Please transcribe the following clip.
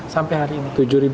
sampai hari ini